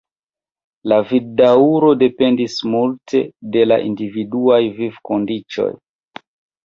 La vivdaŭro dependis multe de la individuaj vivkondiĉoj.